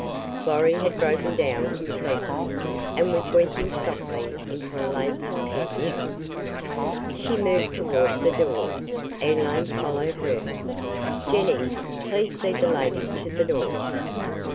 Florrie had broken down completely and was weeping softly into a lace handkerchief. She moved toward the door. Elaine followed her. "Jennings please see the lady to the door."